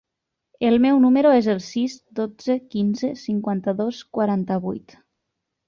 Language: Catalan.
El meu número es el sis, dotze, quinze, cinquanta-dos, quaranta-vuit.